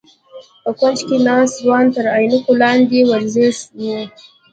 په کونج کې ناست ځوان تر عينکو لاندې ور ځير و.